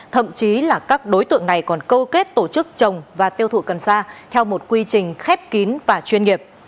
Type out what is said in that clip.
thậm chí là các đối tượng này còn câu kết tổ chức trồng và tiêu thụ cần sa theo một quy trình khép kín và chuyên nghiệp